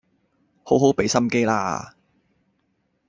好好畀心機啦